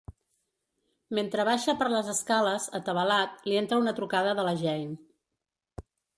Mentre baixa per les escales, atabalat, li entra una trucada de la Jane.